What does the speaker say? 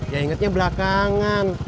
ya ingetnya belakangan